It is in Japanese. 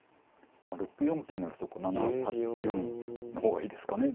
６四金ならそうか７８四の方がいいですかね。